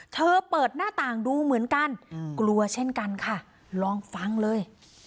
เธอเปิดหน้าต่างดูเหมือนกันกลัวเช่นกันค่ะลองฟังเลย